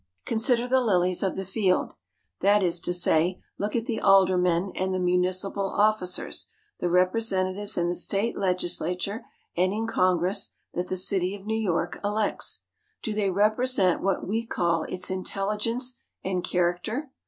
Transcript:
Consider the lilies of the field that is to say, look at the aldermen and the municipal officers, the representatives in the State Legislature and in Congress that the city of New York elects. Do they represent what we call its intelligence and character?